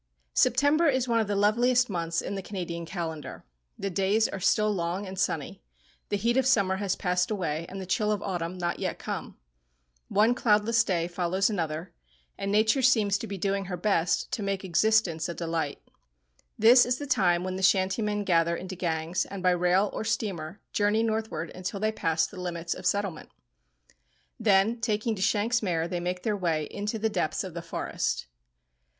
September is one of the loveliest months in the Canadian calendar. The days are still long and sunny. The heat of summer has passed away, and the chill of autumn not yet come. One cloudless day follows another, and nature seems to be doing her best to make existence a delight. This is the time when the shantymen gather into gangs, and by rail or steamer journey northward until they pass the limits of settlement. Then taking to "shanks' mare" they make their way into the depths of the forest.